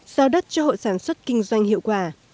giao đất cho hội sản xuất kinh doanh hiệu quả